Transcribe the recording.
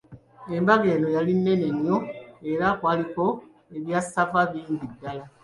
Embaga eno yali nnene nnyo era kwaliko ebya ssava bingi ddala.